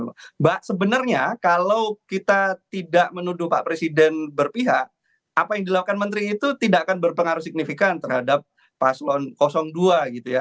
mbak sebenarnya kalau kita tidak menuduh pak presiden berpihak apa yang dilakukan menteri itu tidak akan berpengaruh signifikan terhadap paslon dua gitu ya